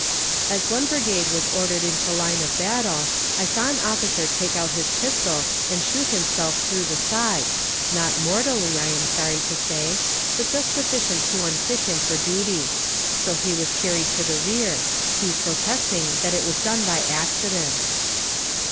As one brigade was ordered into line of battle, I saw an officer take out his pistol and shoot himself through the side not mortally, I am sorry to say, but just sufficient to unfit him for duty; so he was carried to the rear he protesting that it was done by accident.